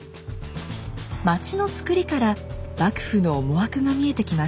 町のつくりから幕府の思惑が見えてきます。